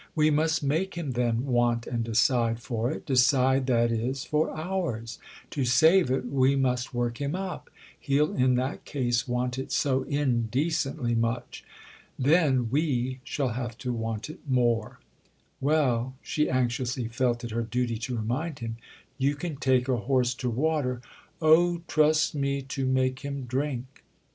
"We must make him then want and decide for it—decide, that is, for 'ours.' To save it we must work him up—he'll in that case want it so indecently much. Then we shall have to want it more!" "Well," she anxiously felt it her duty to remind him, "you can take a horse to water——!" "Oh, trust me to make him drink!"